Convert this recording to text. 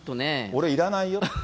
俺、いらないよって。